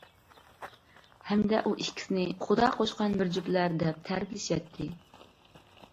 ھەمدە ئۇ ئىككىسىنى خۇدا قوشقان بىر جۈپلەر دەپ تەرىپلىشەتتى.